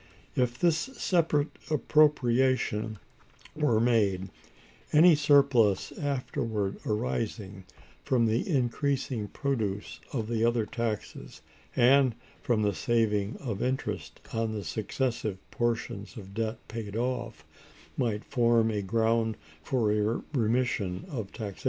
If this separate appropriation were made, any surplus afterward arising from the increasing produce of the other taxes, and from the saving of interest on the successive portions of debt paid off, might form a ground for a remission of taxation.